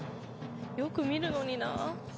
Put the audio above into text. よく見るのにな。